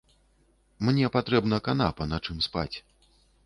Мне патрэбна канапа, на чым спаць.